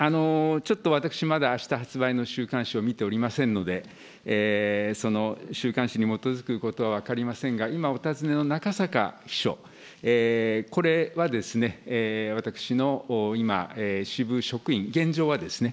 ちょっと私、まだ、あした発売の週刊誌を見ておりませんので、その週刊誌に基づくことは分かりませんが、今、お尋ねのなかさか秘書、これはですね、私の今、支部職員、現状はですね。